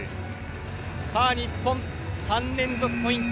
さあ、日本３連続ポイント。